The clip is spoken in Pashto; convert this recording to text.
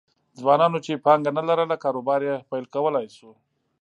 ځوانانو چې پانګه نه لرله کاروبار یې پیل کولای شو